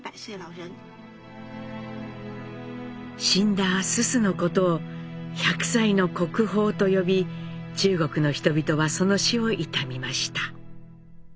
死んだ蘇蘇のことを「百歳の国宝」と呼び中国の人々はその死を悼みました。